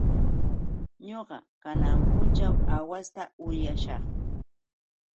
Ñuqa kanan punćhaw aawasta uryashaq.